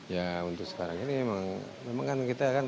ya untuk sekarang ini memang memang kan kita kan